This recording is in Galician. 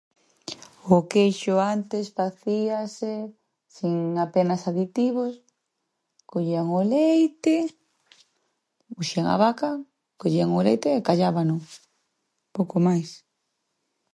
O queixo antes facíase sin apenas aditivos. Collían o leite, muxen a vaca, collían o leite e callábano, pouco máis.